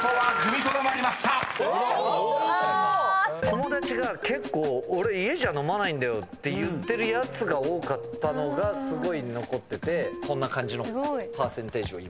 友達が結構「俺家じゃ飲まないんだよ」って言ってるやつが多かったのがすごい残っててこんな感じのパーセンテージを。